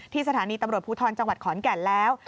สถานีตำรวจภูทรจังหวัดขอนแก่นแล้ว